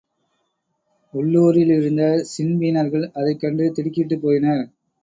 உள்ளூரில் இருந்த ஸின்பீனர்கள் அதைக்கண்டு திடுக்கிட்டுப்போயினர்.